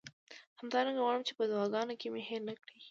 همدارنګه غواړم چې په دعاګانو کې مې هیر نه کړئ.